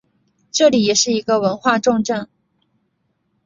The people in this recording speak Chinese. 这里也是一个文化重镇。